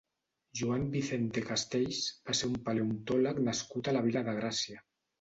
Joan Vicente Castells va ser un paleontòleg nascut a la Vila de Gràcia.